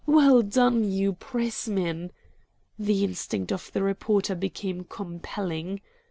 "Well done, you Pressmen!" The instinct of the reporter became compelling.